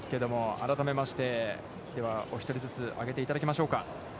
改めまして、ではお一人ずつ挙げていただきましょうか。